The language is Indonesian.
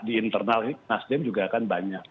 di internal ini nasden juga kan banyak